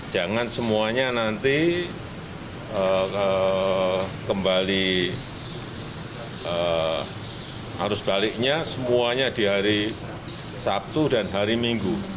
jangan semuanya nanti kembali arus baliknya semuanya di hari sabtu dan hari minggu